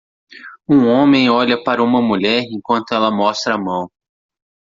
Um homem olha para uma mulher enquanto ela mostra a mão.